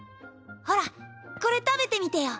ほらこれ食べてみてよ。